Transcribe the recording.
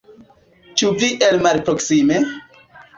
Ĉu vi el malproksime?